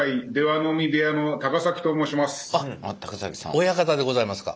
あっ親方でございますか？